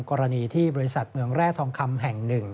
กรณีที่บริษัทเมืองแร่ทองคำแห่ง๑